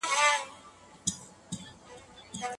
د ميرمني د نفقې لپاره دا شرط ده، چي هغه به لويه وي.